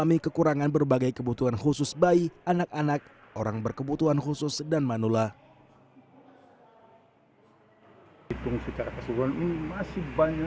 masih butuh edukasi